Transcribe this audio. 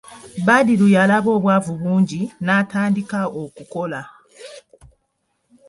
Badru yalaba obwavu bungi n'atandika okukola.